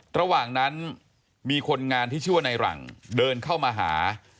ระหว่างนั้นมีคนงานที่ชื่อว่าในหลังเดินเข้ามาหา